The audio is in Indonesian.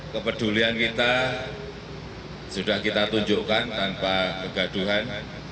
kepedulian kita sudah kita tunjukkan tanpa kegaduhan